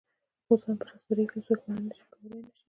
اوس هم پر آس سپرېږي او څوک یې منع کولای نه شي.